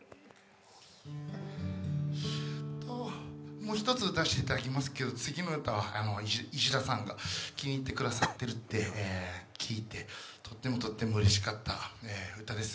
もう一つ歌わせていただきますけど次の歌は石田さんが気に入ってくださっているって聞いてとってもとってもうれしかった歌です。